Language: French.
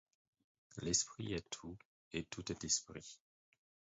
L'esprit est tout et tout est esprit.